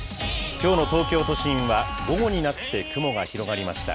きょうの東京都心は、午後になって雲が広がりました。